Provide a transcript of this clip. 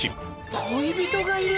恋人がいる！？